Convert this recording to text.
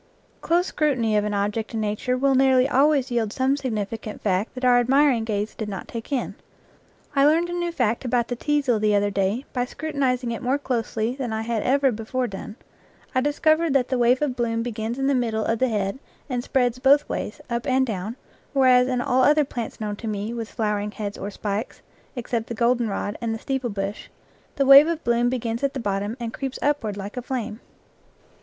Close scrutiny of an object in nature will nearly always yield some significant fact that our admir ing gaze did not take in. I learned a new fact about the teazel the other day by scrutinizing it more, closely than I had ever before done; I discovered that the wave of bloom begins in the middle of the head and spreads both ways, up and down, whereas in all other plants known to me with flowering heads or spikes, except the goldenrod and the steeple bush, the wave of bloom begins at the bottom and creeps upward like a flame.